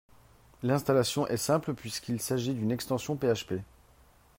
L'installation est simple puisqu'il s'agisse d'une extension PHP